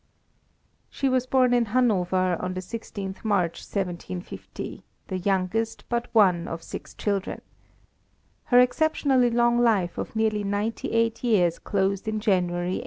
She was born in Hanover on the 16th March 1750, the youngest but one of six children. Her exceptionally long life of nearly ninety eight years closed in January 1848.